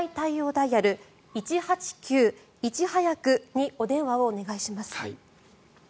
ダイヤル１８９、「いちはやく」にお電話をお願いします。